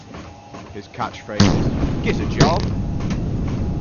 His catchphrases, Gizza' job!